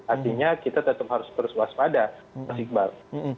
artinya kita tetap harus berwaspada mas iqbal